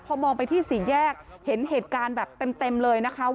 พอมองไปที่สี่แยกเห็นเหตุการณ์แบบเต็มเลยนะคะ